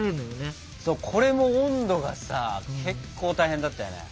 これも温度がさ結構大変だったよね。